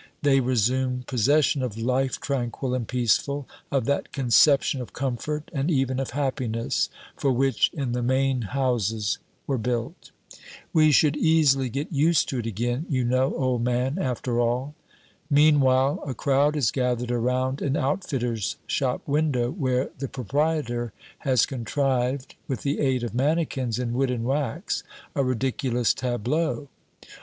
They resume possession of life tranquil and peaceful, of that conception of comfort and even of happiness for which in the main houses were built. "We should easily get used to it again, you know, old man, after all!" Meanwhile a crowd is gathered around an outfitter's shop window where the proprietor has contrived, with the aid of mannikins in wood and wax, a ridiculous tableau.